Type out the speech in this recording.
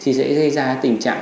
thì sẽ gây ra tình trạng